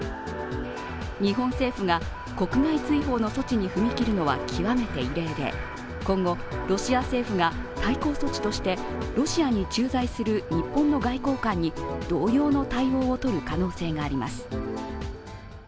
日本政府が国外追放の措置に踏み切るのは極めて異例で今後ロシア政府が対抗措置としてロシアに駐在する日本の外交官に同様の対応を取る可能性があります。